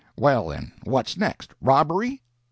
Well, then, what's next? Robbery?